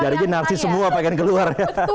jari ini narsi semua pengen keluar